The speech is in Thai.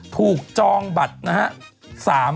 ถูกจองบัตรนะฮะ